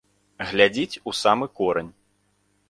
Глядзіць у самы корань.